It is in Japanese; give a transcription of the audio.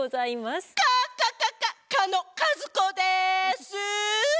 かかかか蚊の蚊ず子です。